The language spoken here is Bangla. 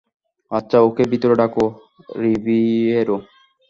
আচ্ছা, ওকে ভিতরে ডাকো, রিবিয়েরো।